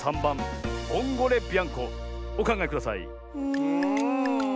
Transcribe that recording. うん。